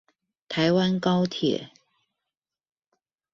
台灣高鐵